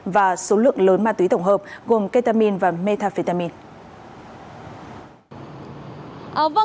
và số lượng lớn ma túy tổng hợp gồm ketamine và metafetamine